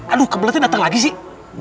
aduh kebeletnya datang lagi sih